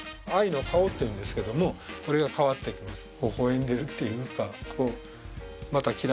藍の顔っていうんですけどこれが変わってきます